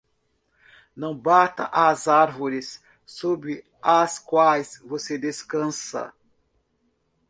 Não bata as árvores sob as quais você descansa.